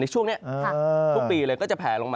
ช่วงนี้ทุกปีเลยก็จะแผลลงมา